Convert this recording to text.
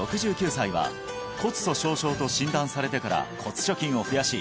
６９歳は骨粗しょう症と診断されてから骨貯金を増やし